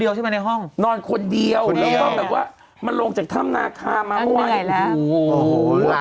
เดี๋ยวดูช่วงมดดำตกใจนะฮะ